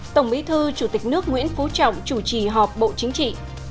tổng bí thư chủ tịch nước nguyễn phú trọng chủ trì họp bộ chính trị